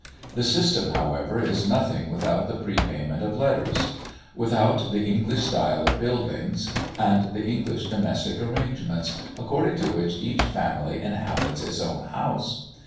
The system however is nothing without the prepayment of letters, without the English style of buildings, and the English domestic arrangements, according to which each family inhabits its own house.